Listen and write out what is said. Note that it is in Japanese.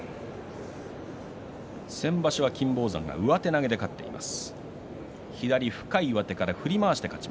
先場所は金峰山が上手投げで勝っています。